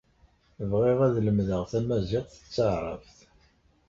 Bɣiɣ ad lemdeɣ tamaziɣt d teɛṛabt.